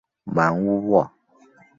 芒乌沃。